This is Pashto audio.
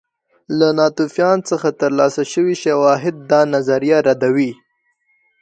له ناتوفیان څخه ترلاسه شوي شواهد دا نظریه ردوي